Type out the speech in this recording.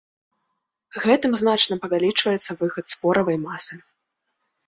Гэтым значна павялічваецца выхад споравай масы.